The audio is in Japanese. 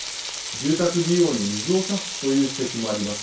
住宅需要に水を差すという指摘もあります。